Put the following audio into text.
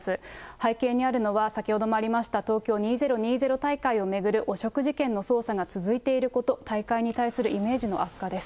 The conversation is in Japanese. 背景にあるのは、先ほどもありました、東京２０２０大会を巡る汚職事件の捜査が続いていること、大会に対するイメージの悪化です。